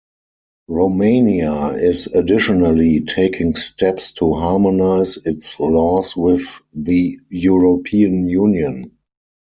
Romania is additionally taking steps to harmonize its laws with the European Union.